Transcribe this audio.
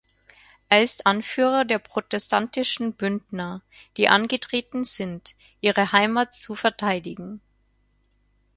Er ist Anführer der protestantischen Bündner, die angetreten sind, ihre Heimat zu verteidigen.